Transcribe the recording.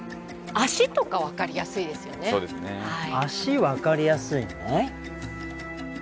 足分かりやすいの？